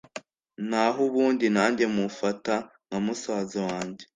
nahubundi nange mufata nkamusaza wange